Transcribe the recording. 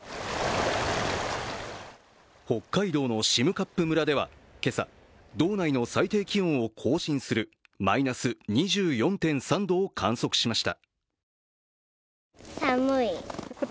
北海道の占冠村では今朝道内の最低気温を更新するマイナス２４．３度を観測しました。